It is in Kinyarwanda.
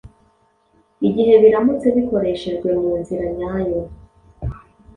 igihe biramutse bikoreshejwe mu nzira nyayo.